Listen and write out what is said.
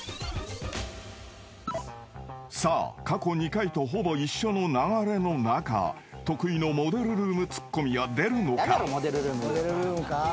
［さあ過去２回とほぼ一緒の流れの中得意のモデルルームツッコミは出るのか？］